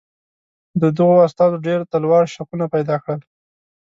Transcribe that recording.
د دغو استازو ډېر تلوار شکونه پیدا کړل.